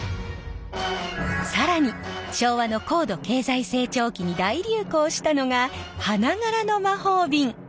更に昭和の高度経済成長期に大流行したのが花柄の魔法瓶。